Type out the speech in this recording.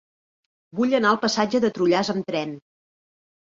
Vull anar al passatge de Trullàs amb tren.